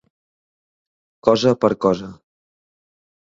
Cosa per cosa.